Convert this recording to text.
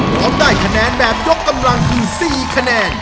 พร้อมได้คะแนนแบบยกกำลังคือ๔คะแนน